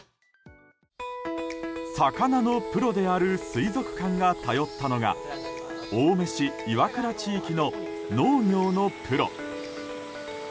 魚のプロである水族館が頼ったのが青梅市岩蔵地域の農業のプロ。